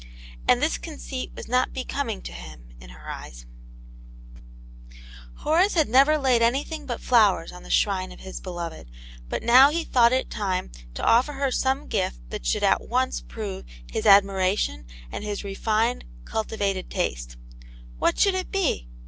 And is conceit was not becoming to him in her ^y^^* Aunt yane^s Herd. tj Horace had never laid anything but flowers on the shrine of his beloved, but he now thought it time to ofier her some gift that should at once prove his admiration and his refined, cultivated taste. What should it be